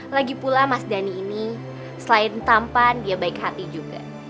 lagi pula mas dhani ini selain tampan dia baik hati juga